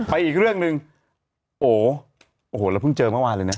ไปอีกเรื่องหนึ่งโหโหเราเพิ่งเจอเมื่อวานเลยน่ะอือ